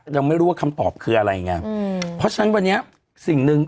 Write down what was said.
ยังไม่รู้ว่าคำตอบคืออะไรไงอืมเพราะฉะนั้นวันนี้สิ่งหนึ่ง